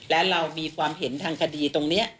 และเรามีความเห็นทางคดีตรงนี้